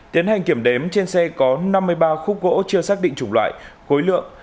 tiến hành kiểm đếm trên xe có năm mươi ba khúc gỗ chưa xác định chủng loại khối lượng